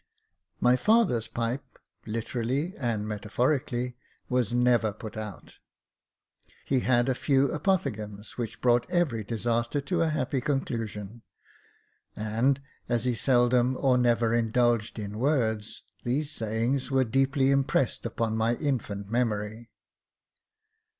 My father's pipe, literally and metaphorically, was never put out. He had a few apophthegms which brought every disaster to a happy conclusion ; and, as he seldom or never indulged in words, these sayings were deeply impressed upon my infant memory.